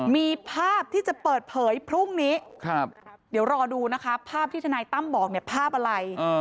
มีภาพที่จะเปิดเผยพรุ่งนี้เดี๋ยวรอดูนะคะภาพที่ทนายตั้มบอกเนี่ยภาพอะไร